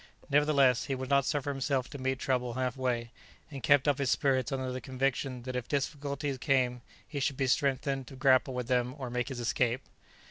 Nevertheless, he would not suffer himself to meet trouble half way, and kept up his spirits under the conviction that if difficulties came he should be strengthened to grapple with them or make his escape.